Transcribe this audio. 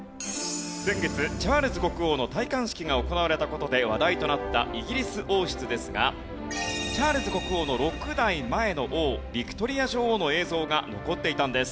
先月チャールズ国王の戴冠式が行われた事で話題となったイギリス王室ですがチャールズ国王の６代前の王ヴィクトリア女王の映像が残っていたんです。